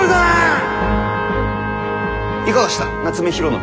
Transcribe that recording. いかがした夏目広信。